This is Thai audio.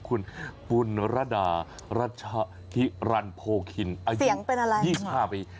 คุณปุณรดารัชฌิรันโภคินอายุ๒๕ปี